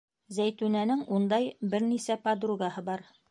Зәйтүнәнең ундай бер нисә подругаһы бар.